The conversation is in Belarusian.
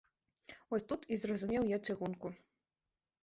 Вось тут і зразумеў я чыгунку.